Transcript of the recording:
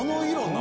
何？